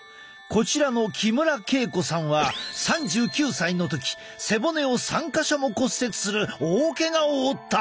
こちらの木村恵子さんは３９歳の時背骨を３か所も骨折する大けがを負った。